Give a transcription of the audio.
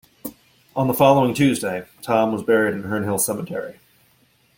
On the following Tuesday Tom was buried in Hernhill cemetery.